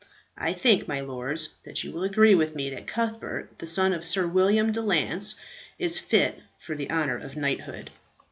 I think, my lords, that you will agree with me that Cuthbert, the son of Sir William de Lance, is fit for the honour of knighthood."